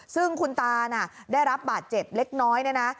ซึ่งคุณตาน่ะได้รับบาดเจ็บเล็กน้อยเนี่ยนะ